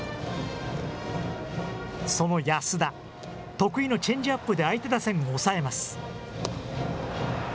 その安田、得意のチェンジアップで相手打線を抑えます。